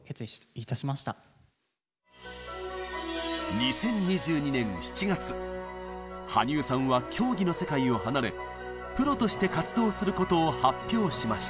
２０２２年７月羽生さんは競技の世界を離れプロとして活動することを発表しました。